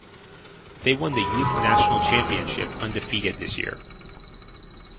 They won the Youth National Championship undefeated this year.